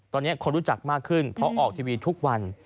ตอนนี้คนรู้จักมากขึ้นเพราะออกทีวีทุกวัน